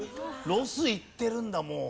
ロス行ってるんだもう。